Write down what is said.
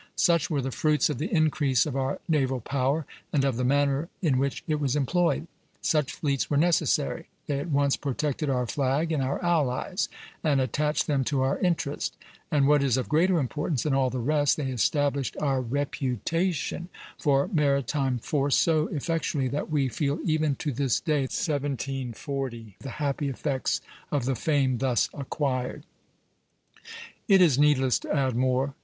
Such were the fruits of the increase of our naval power, and of the manner in which it was employed.... Such fleets were necessary; they at once protected our flag and our allies, and attached them to our interest; and, what is of greater importance than all the rest, they established our reputation for maritime force so effectually that we feel even to this day the happy effects of the fame thus acquired." It is needless to add more.